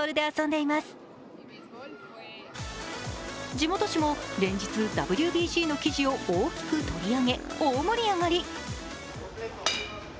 地元紙も連日、ＷＢＣの記事を大きく取り上げ大盛り上がり。